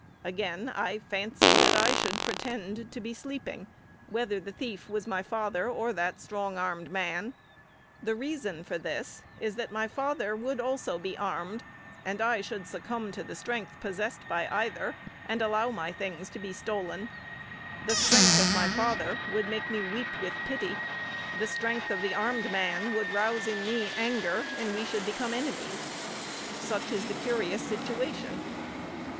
Again, I fancy that I should pretend to be sleeping whether the thief was my father or that strong armed man. The reason for this is that my father would also be armed, and I should succumb to the strength possessed by either, and allow my things to be stolen. The strength of my father would make me weep with pity; the strength of the armed man would rouse in me anger, and we should become enemies. Such is the curious situation.